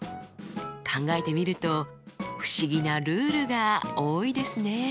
考えてみると不思議なルールが多いですね。